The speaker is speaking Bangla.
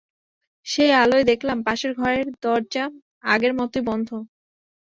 সেই আলোয় দেখলাম পাশের ঘরের দরজা আগের মতোই বন্ধ।